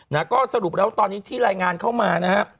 ซะหรูปแล้วตอนนี้ที่รายงานเข้ามา